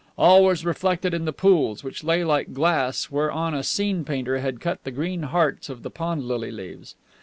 All was reflected in the pools which lay like glass whereon a scene painter had cut the green hearts of the pond lily leaves.